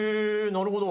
なるほど。